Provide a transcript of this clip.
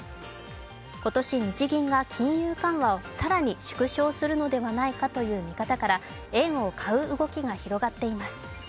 今年日銀が金融緩和を更に縮小するのではないかという見方から円を買う動きが広がっています。